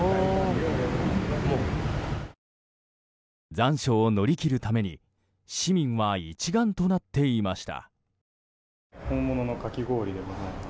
残暑を乗り切るために市民は一丸となっていました。